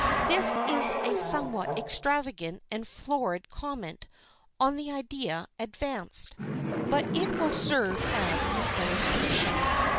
This is a somewhat extravagant and florid comment on the idea advanced. But it will serve as an illustration.